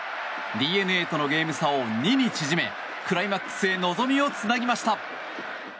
ＤｅＮＡとのゲーム差を２に縮めクライマックスへ望みをつなぎました。